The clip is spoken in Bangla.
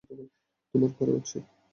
তোমার করা উচিত।